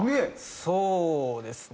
そうですね。